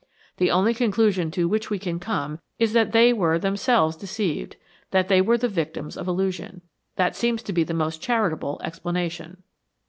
The only conclusion to which we can come is that they were themselves deceived, that they were the victims of illusion. That seems to be the most charitable explanation.